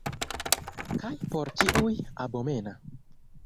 Kaj por ĉiuj abomena!